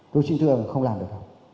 tôi xin thưa không làm được không